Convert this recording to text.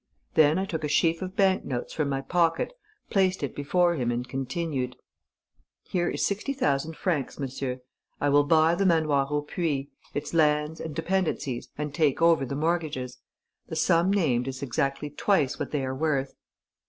Then I took a sheaf of bank notes from my pocket, placed it before him and continued: 'Here is sixty thousand francs, monsieur. I will buy the Manoir au Puits, its lands and dependencies and take over the mortgages. The sum named is exactly twice what they are worth.'...